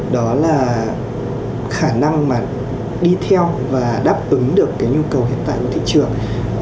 đó là khả năng mà đi theo và đáp ứng được cái nhu cầu hiện tại của thị trường